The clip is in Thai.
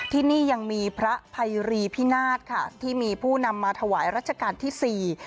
ที่นี่ยังมีพระภัยรีพินาศค่ะที่มีผู้นำมาถวายรัชกาลที่สี่